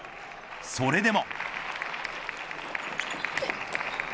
それでも。